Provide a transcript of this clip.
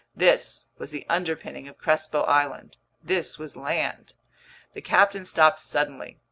This was the underpinning of Crespo Island. This was land. The captain stopped suddenly.